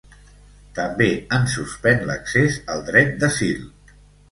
També en suspèn l’accés al dret d’asil.